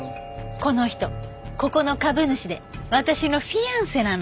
この人ここの株主で私のフィアンセなの。